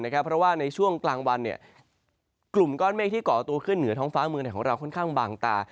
เพราะว่าในช่วงกลางวันกลุ่มก้อนเมฆที่ก่อตัวขึ้นเหนือท้องฟ้าเมืองของเราค่อนข้างบางตา